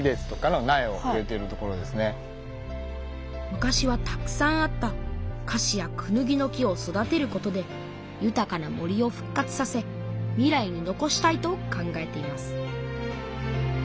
昔はたくさんあったカシやクヌギの木を育てることでゆたかな森をふっ活させ未来に残したいと考えています